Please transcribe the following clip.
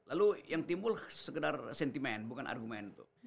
lalu yang timbul sekedar sentimen bukan argumen tuh